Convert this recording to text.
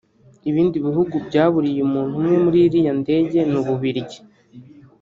Ibindi bihugu byaburiye umuntu umwe muri iriya ndege ni Ububiligi